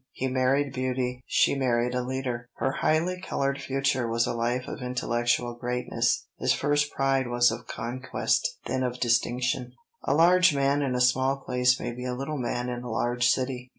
He married beauty, she married a leader. Her highly colored future was a life of intellectual greatness; his first pride was of conquest, then of distinction. A large man in a small place may be a little man in a large city.